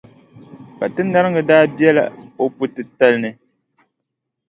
Kpatindariga daa bela o puʼ titali ni.